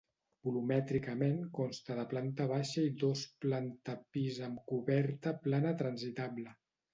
Volumètricament consta de planta baixa i dos planta pis amb coberta plana transitable.